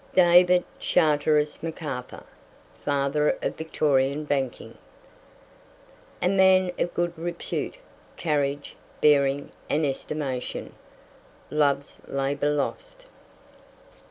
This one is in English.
DAVID CHARTERIS McARTHUR, FATHER OF VICTORIAN BANKING. "A man of good repute, carriage, bearing, and estimation." Love's Labour Lost.